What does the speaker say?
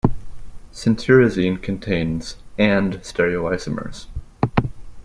Cetirizine contains - and -stereoisomers.